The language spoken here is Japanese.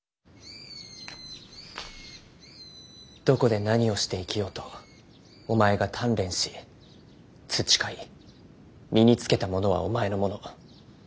「どこで何をして生きようとお前が鍛錬し培い身につけたものはお前のもの。